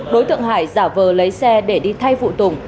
đối tượng hải giả vờ lấy xe để đi thay phụ tùng